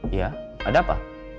iya ada pak